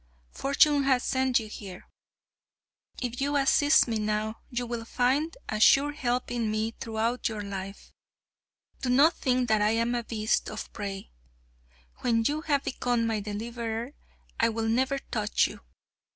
Fortune has sent you here. If you assist me now you will find a sure help in me throughout your life. Do not think that I am a beast of prey. When you have become my deliverer I will never touch you.